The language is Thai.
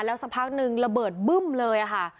แล้วสักพักหนึ่งระเบิดบึ้มเลยค่ะ